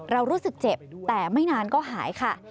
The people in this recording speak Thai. รู้สึกเจ็บแต่ไม่นานก็หายค่ะ